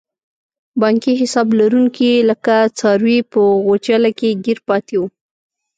بانکي حساب لرونکي لکه څاروي په غوچله کې ګیر پاتې وو.